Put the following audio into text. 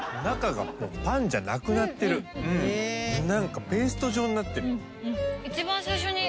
何かペースト状になってる。